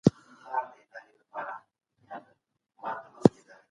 د غره په سر پاکه هوا وي.